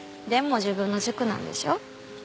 でも自分の塾なんでしょう？